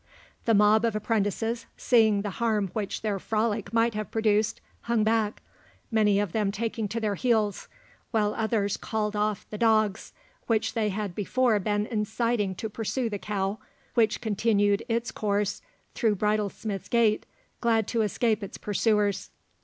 The mob of apprentices, seeing the harm which their frolic might have produced, hung back, many of them taking to their heels, while others called off the dogs, which they had before been inciting to pursue the cow, which continued its course through Bridlesmith's Gate, glad to escape its pursuers.